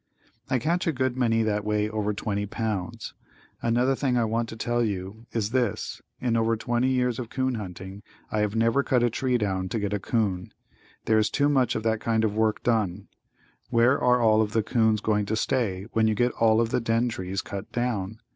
I catch a good many that weigh over 20 pounds. Another thing I want to tell you is this, in over 20 years of 'coon hunting I have never cut a tree down to get a 'coon. There is too much of that kind of work done. Where are all of the 'coons going to stay when you get all of the den trees cut down?